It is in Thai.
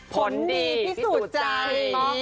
ผลดีพิสูจน์ใจ